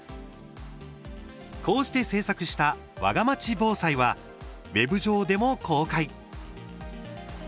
こうして制作したわがまち防災はウェブ上でも公開。